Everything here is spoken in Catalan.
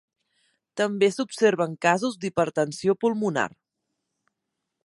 També s'observen casos d'hipertensió pulmonar.